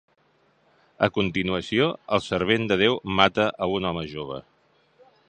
A continuació, el servent de Déu mata a un home jove.